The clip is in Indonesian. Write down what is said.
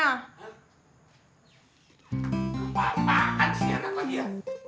apaan sih anak lo dia